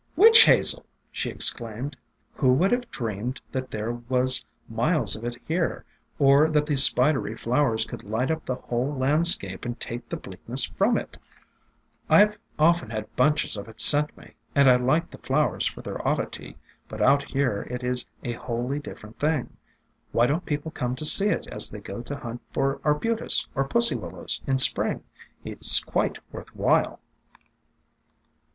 "Witch Hazel!" she exclaimed. "Who would have dreamed that there was miles of it here, or that these spidery flowers could light up the whole landscape and take the bleakness from it ! I 've often had bunches of it sent me, and I liked the flowers for their oddity, but out here it is a wholly different thing. Why don't people come to see it as they go to hunt for Arbutus or Pussy Willows in Spring ? It 's quite worth while."